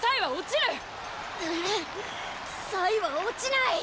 ぐっは落ちない！